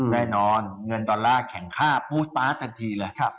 แน่นอนเงินดอลลาร์แข็งค่าปู๊ดป๊าดทันทีเลย